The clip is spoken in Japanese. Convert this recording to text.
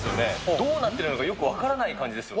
どうなってるのか、よく分からない感じですよね。